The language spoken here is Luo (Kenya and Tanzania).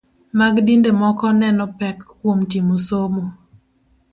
Mag dinde moko neno pek kuom timo somo